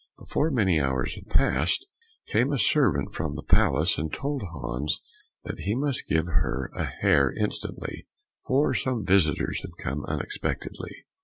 Before many hours had passed came a servant from the palace, and told Hans that he must give her a hare instantly, for some visitors had come unexpectedly.